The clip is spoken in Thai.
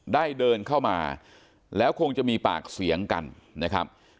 ได้เดินเข้ามาแล้วคงจะมีปากเสียงกันนะครับ